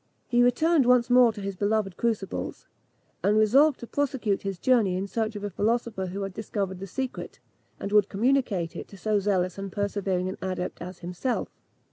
He returned once more to his beloved crucibles, and resolved to prosecute his journey in search of a philosopher who had discovered the secret, and would communicate it to so zealous and persevering an adept as himself.